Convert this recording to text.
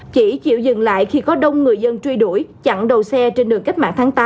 chỉ chịu dừng lại khi có đông người dân truy đuổi chặn đầu xe trên đường cách mạng tháng tám